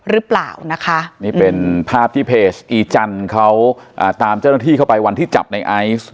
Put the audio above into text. หรือเปล่านะคะนี่เป็นภาพที่เพจอีจันทร์เขาอ่าตามเจ้าหน้าที่เข้าไปวันที่จับในไอซ์